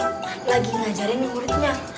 lagi ngajarin muridnya